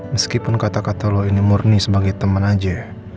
meskipun kata kata lo ini murni sebagai teman aja